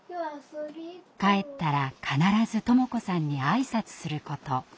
帰ったら必ず智子さんに挨拶すること。